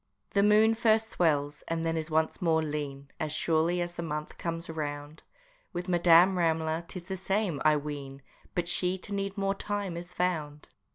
The moon first swells, and then is once more lean, As surely as the month comes round; With Madame Ramler 'tis the same, I ween But she to need more time is found!